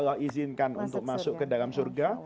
allah izinkan untuk masuk ke dalam surga